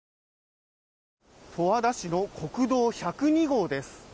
十和田市の国道１０２号です。